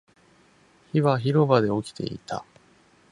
火は広場で起きていた